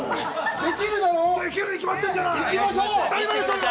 できるに決まってるじゃない。